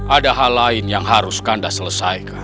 ada hal lain yang harus kanda selesaikan